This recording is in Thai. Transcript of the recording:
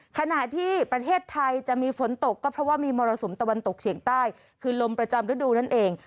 ขณะที่ประเทศไทยจะมีฝนตกก็เพราะว่ามีมรสุมตะวันตกเฉียงใต้คือลมประจำฤดูนั่นเอง